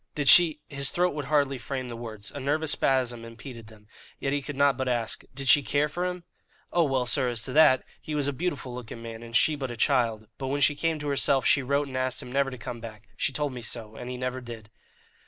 "Did she" his throat would hardly frame the words a nervous spasm impeded them; yet he could not but ask "did she care for him?" "Oh well, sir, as to that, he was a beautiful looking man, and she but a child; but when she came to herself she wrote and asked him never to come back; she told me so; and he never did."